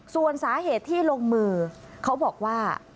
ส่วนสาเหตุที่ลงมือเขาบอกว่า